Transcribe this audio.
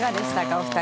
お二人。